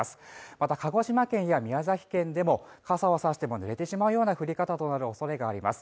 また鹿児島県や宮崎県でも傘をさしても濡れてしまうような降り方となるおそれがあります。